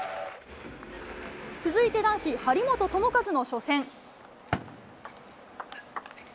続いて男子、張本智和の初戦。